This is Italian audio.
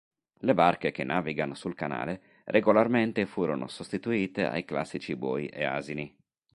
Le barche che navigano sul canale regolarmente furono sostituite ai classici buoi e asini.